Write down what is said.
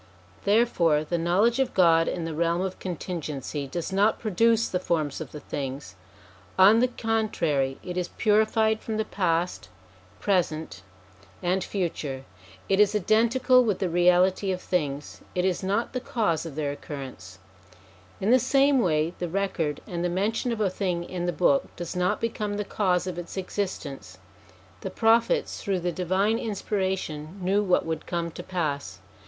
Therefore the knowledge of God in the realm of contingency does not produce the forms of the things : on the contrary, it is purified from the past, present, 168 SOME CHRISTIAN SUBJECTS 159 and future. It is identical with the reality of the things ; it is not the cause of their occurrence. In the same way, the record and the mention of a thing in the Book does not become the cause of its existence. The Prophets, through the divine inspira tion, knew what would come to pass.